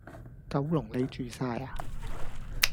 九龍你住曬呀！